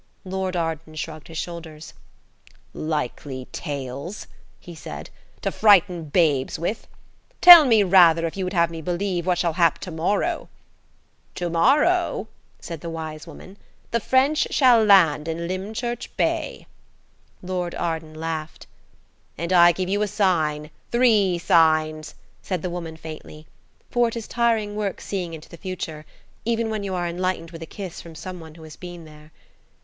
Lord Arden shrugged his shoulders. "Likely tales," he said, "to frighten babes with. Tell me rather, if you would have me believe, what shall hap to morrow." "To morrow," said the wise woman, "the French shall land in Lymchurch Bay." Lord Arden laughed. "And I give you a sign–three signs," said the woman faintly; for it is tiring work seeing into the future, even when you are enlightened with a kiss from some one who has been there.